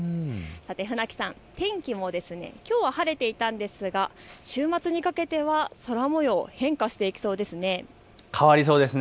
船木さん、天気もきょうは晴れていたんですが週末にかけては空もよう、変化していきそうですね。